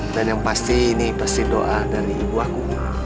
dan yang pasti ini pasti doa dari ibu aku